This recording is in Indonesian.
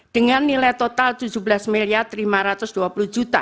dengan nilai total rp tujuh belas lima ratus dua puluh